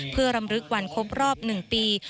เพื่อรำลึกวันครบรอบ๑ปี